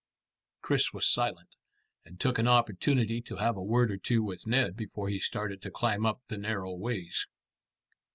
Chris was silent, and took an opportunity to have a word or two with Ned before he started to climb up the narrow ways.